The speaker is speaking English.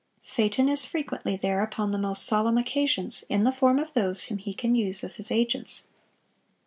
Satan is frequently there upon the most solemn occasions, in the form of those whom he can use as his agents.